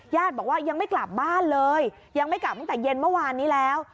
ญาติบอกว่ายังไม่กลับบ้านเลยยังไม่กลับตั้งแต่เย็นเมื่อวานนี้แล้ว